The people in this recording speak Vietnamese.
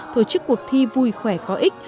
thổ chức cuộc thi vui khỏe có ích